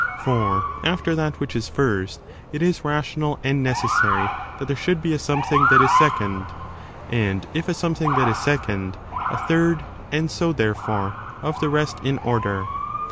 For ailer that which is first it is rational and necessary that there should be a something that is second, and if a something that is second, a third, and so, therefore, of the rest in order.